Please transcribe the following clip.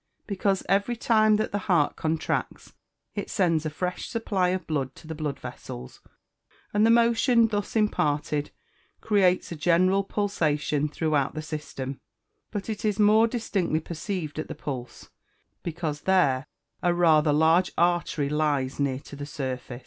_ Because every time that the heart contracts it send a fresh supply of blood to the blood vessels, and the motion thus imparted creates a general pulsation throughout the system: but it is more distinctly perceived at the pulse, because there a rather large artery lies near to the surface.